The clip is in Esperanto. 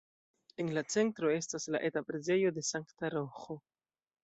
En la centro estas la eta preĝejo de Sankta Roĥo.